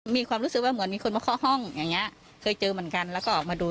มีความรู้สึกว่าเหมือนมีคนมาเคาะห้องอย่างเงี้ยเคยเจอเหมือนกันแล้วก็ออกมาดู